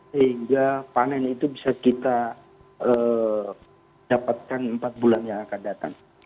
sehingga panen itu bisa kita dapatkan empat bulan yang akan datang